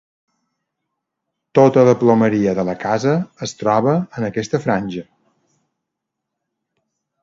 Tota la plomeria de la casa es troba en aquesta franja.